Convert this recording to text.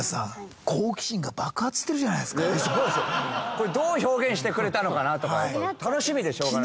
これどう表現してくれたのかなとか楽しみでしょうがないよ。